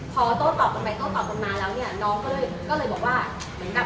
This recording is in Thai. พอโต๊ะตอบขึ้นไปโต๊ะตอบขึ้นมาแล้วเนี่ยน้องก็เลยบอกว่า